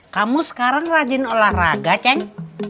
kamu sekarang rajin olahraga ceng